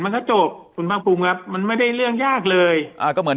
มันก็จบคุณภาคภูมิครับมันไม่ได้เรื่องยากเลยอ่าก็เหมือน